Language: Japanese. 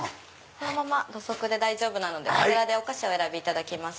このまま土足で大丈夫なのでお菓子をお選びいただきます。